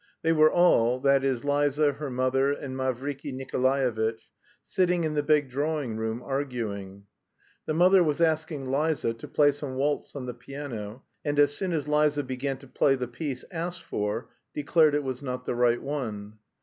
They were all, that is Liza, her mother, and Mavriky Nikolaevitch, sitting in the big drawing room, arguing. The mother was asking Liza to play some waltz on the piano, and as soon as Liza began to play the piece asked for, declared it was not the right one.